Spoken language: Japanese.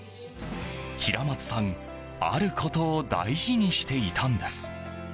平松さん、あることを大事にしていたんです。